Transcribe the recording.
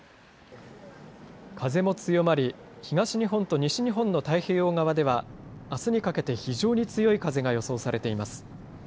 風も強まり、東日本と西日本の太平洋側では、あすにかけて非常に強い風が予想されています。